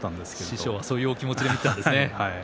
師匠は、そういうお気持ちだったんですね。